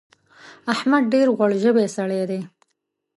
احمد ډېر غوړ ژبی سړی دی.